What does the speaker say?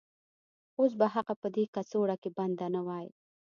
اوس به هغه په دې کڅوړه کې بنده نه وای